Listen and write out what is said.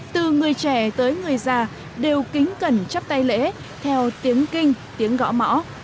từ người trẻ tới người già đều kính cẩn chắp tay lễ theo tiếng kinh tiếng gõ mõ